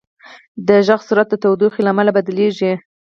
د غږ سرعت د تودوخې له امله بدلېږي.